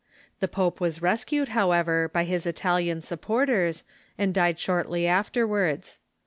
The pope was rescued, however, by his Italian supporters, and died shortly afterwards.